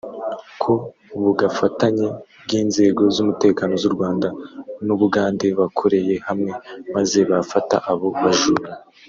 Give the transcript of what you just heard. Ku bugafatanye bw’inzego z’umutekano z’u Rwanda n’u Bugande bakoreye hamwe maze bafata abo bajura